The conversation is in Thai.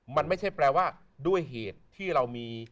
มันไม่ใช่แปลว่าด้วยเหตุที่เรามี